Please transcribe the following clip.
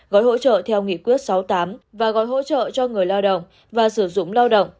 gói hỗ trợ theo nghị quyết sáu mươi tám và gói hỗ trợ cho người lao động và sử dụng lao động